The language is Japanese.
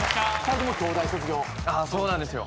そうなんですよ。